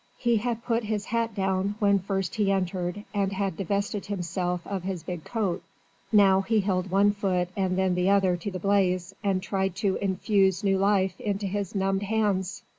He had put his hat down when first he entered and had divested himself of his big coat: now he held one foot and then the other to the blaze and tried to infuse new life into his numbed hands.